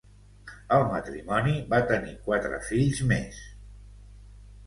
El matrimoni va tenir quatre fills més: